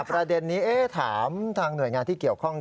ประเด็นนี้ถามทางหน่วยงานที่เกี่ยวข้อง